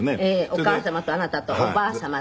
お母様とあなたとおばあ様と。